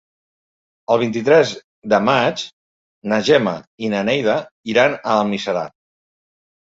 El vint-i-tres de maig na Gemma i na Neida iran a Almiserà.